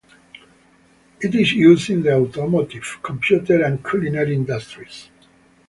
It is used in the automotive, computer, and culinary industries.